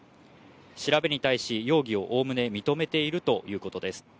調べに対し、容疑をおおむね認めているということです。